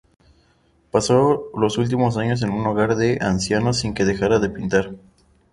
Pasó los últimos años en un hogar de ancianos sin que dejara de pintar.